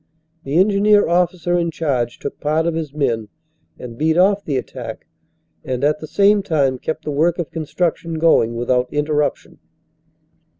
The engineer officer in charge took part of his men and beat off the attack and at the same time kept the work of construction going without interruption.